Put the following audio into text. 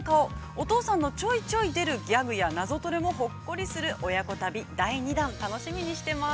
お父さんのちょいちょい出るギャグやナゾトレもほっこりする親子旅、第二弾楽しみにしています。